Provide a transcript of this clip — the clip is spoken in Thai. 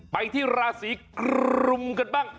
ไปที่ราศีกรุมกันบ้าง